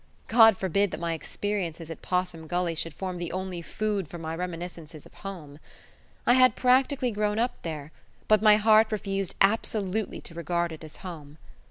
God forbid that my experiences at Possum Gully should form the only food for my reminiscences of home. I had practically grown up there, but my heart refused absolutely to regard it as home.